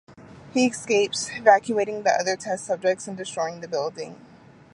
He escapes, evacuating the other test subjects and destroying the building.